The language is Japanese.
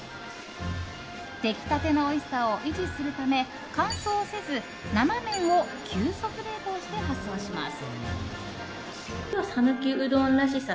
出来立てのおいしさを維持するため乾燥せず生麺を急速冷凍して発送します。